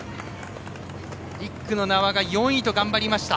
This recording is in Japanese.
１区の名和が４位と頑張りました。